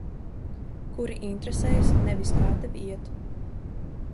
Kuri interesējas nevis kā tev iet.